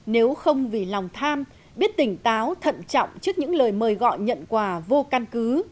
nếu không vì lòng tham biết tỉnh táo thận trọng trước những lời mời gọi nhận quà vô căn cứ